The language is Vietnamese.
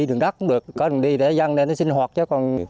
đường đất cũng được có đường đi để dân nên nó sinh hoạt chứ còn